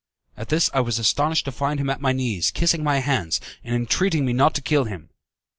At this I was astonished to find him at my knees kissing my hands, and entreating me not to kill him.